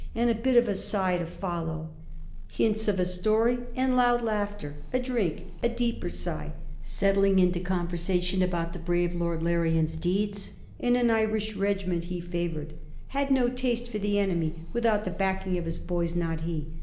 and a bit of a sigh to follow, hints of a story, and loud laughter, a drink, a deeper sigh, settling into conversation upon the brave Lord Larrian's deeds, and an Irish regiment he favoured had no taste for the enemy without the backing of his 'boys.' Not he.